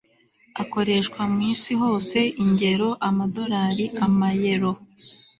akoreshwa mu isi hose. ingero amadolari, amayero